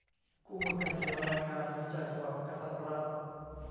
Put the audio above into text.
คู่มือการเขียนรายงาน วิจัย ฉบับกะทัดรัด